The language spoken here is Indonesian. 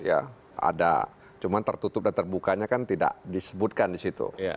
ada cuma tertutup dan terbukanya kan tidak disebutkan di situ